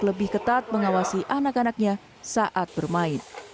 lebih ketat mengawasi anak anaknya saat bermain